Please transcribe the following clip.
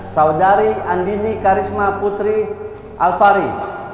saudari andini karisma putri alfari